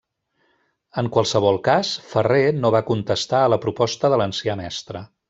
En qualsevol cas, Ferrer no va contestar a la proposta de l'ancià mestre.